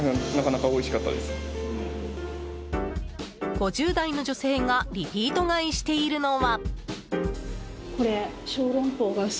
５０代の女性がリピート買いしているのは。